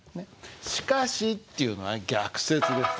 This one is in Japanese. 「しかし」っていうのは逆接ですね。